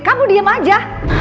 kamu diam aja